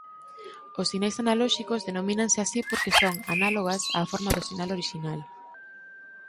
Os sinais analóxicos denomínanse así porque son «análogas» á forma do sinal orixinal.